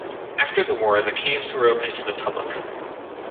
After the war the caves were opened to the public.